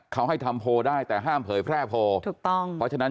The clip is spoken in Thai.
เขาให้ทำโพลได้แต่ห้ามเผยแพร่โพลถูกต้องเพราะฉะนั้น